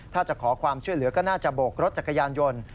ถ้าจะขอความช่วยเหลือก็น่าจะโบกรถจักรยานยนต์